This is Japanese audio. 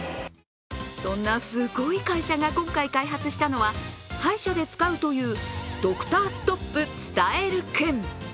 そんなすごい会社が、今回開発したのは歯医者で使うというＤｒ．ストップ伝えるくん。